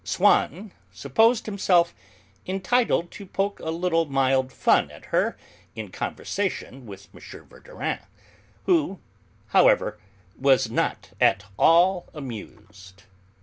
Swann supposed himself entitled to poke a little mild fun at her in conversation with M. Verdurin, who, however, was not at all amused.